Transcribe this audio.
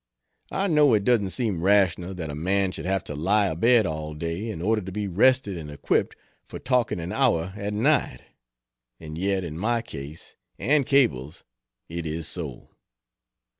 I know it doesn't seem rational that a man should have to lie abed all day in order to be rested and equipped for talking an hour at night, and yet in my case and Cable's it is so.